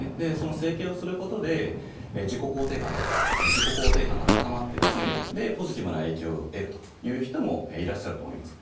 整形をすることで自己肯定感が高まってポジティブな影響を得るという人もいらっしゃると思います。